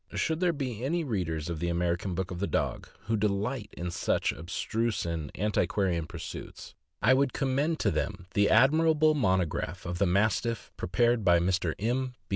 Should there be any readers of THE AMERICAN BOOK OF THE DOG who delight in such abstruse and anti quarian pursuits, I would commend to them the admirable monograph of the Mastiff prepared by Mr. M.